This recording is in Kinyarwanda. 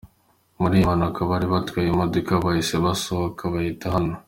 Muri iyi mpanuka abari batwaye iyi modoka bahise basohoka bayita aho.